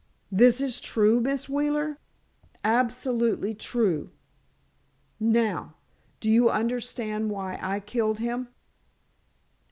"This is true, Miss Wheeler?" "Absolutely true. Now, do you understand why I killed him?"